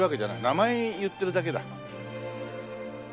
名前言ってるだけだ。